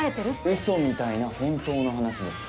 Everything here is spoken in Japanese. うそみたいな本当の話です。